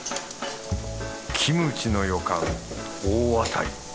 キムチの予感大当たり。